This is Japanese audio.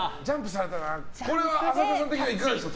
これは朝倉さん的にはいかがでしたか。